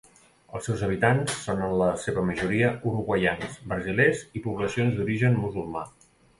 Els seus habitants són en la seva majoria uruguaians, brasilers i poblacions d'origen musulmà.